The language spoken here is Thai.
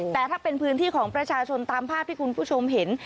แต่ถ้าเป็นพื้นที่ของประชาชนตามภาพที่คุณผู้ชมเห็น